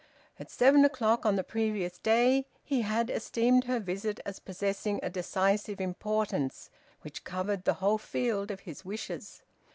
At seven o'clock on the previous day, he had esteemed her visit as possessing a decisive importance which covered the whole field of his wishes.